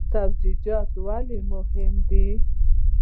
سبزیجات ولې مهم دي؟